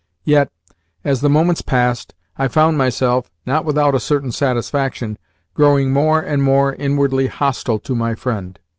Yet, as the moments passed, I found myself not without a certain satisfaction growing more and more inwardly hostile to my friend.